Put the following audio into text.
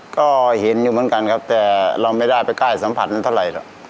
ก็เห็นอยู่เหมือนกันครับแต่เราไม่ได้ไปใกล้สัมผัสนั้นเท่าไหร่